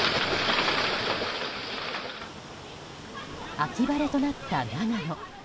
秋晴れとなった長野。